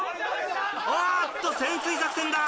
あっと潜水作戦だ！